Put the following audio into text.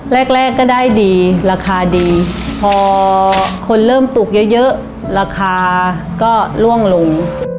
แรกก็ได้ดีราคาดีพอคนเริ่มปลูกเยอะราคาก็ล่วงลง